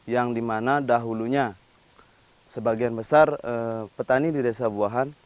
yang dimana dahulunya sebagian besar petani di desa buahan